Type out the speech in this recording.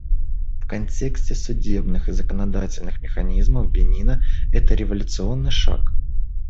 В контексте судебных и законодательных механизмов Бенина — это революционный шаг.